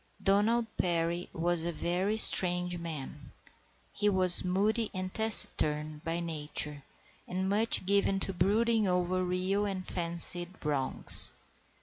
Donald Perry was a very strange man. He was moody and taciturn by nature, and much given to brooding over real or fancied wrongs.